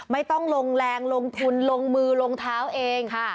ไม่ต้องลงแรงลงทุนลงมือลงเท้าเองค่ะ